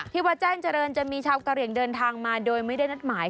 วัดแจ้งเจริญจะมีชาวกะเหลี่ยงเดินทางมาโดยไม่ได้นัดหมาย